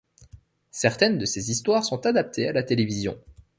Certaines de ses histoires sont adaptées à la télévision.